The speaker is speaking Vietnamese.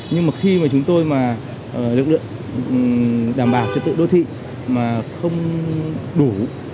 nhưng mà khi mà chúng tôi mà lực lượng đảm bảo trật tự đô thị mà không đủ